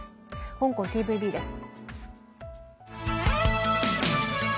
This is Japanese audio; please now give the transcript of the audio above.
香港ＴＶＢです。